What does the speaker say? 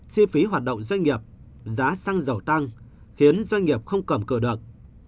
chi phí hoạt động doanh nghiệp giá xăng dầu tăng khiến doanh nghiệp không cầm cửa được